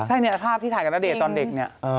ใช่เนี่ยภาพที่ถ่ายกับณเดชน์ตอนเด็กเนี่ย